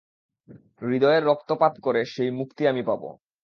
হৃদয়ের রক্তপাত করে সেই মুক্তি আমি পাব।